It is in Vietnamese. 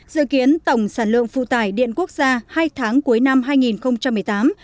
dự kiến tổng sản lượng phụ tải điện quốc gia hai tháng cuối năm hai nghìn một mươi tám